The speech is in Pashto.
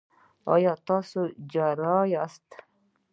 ایا تاسو جراح یاست؟